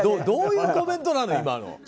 どういうコメントなの今の。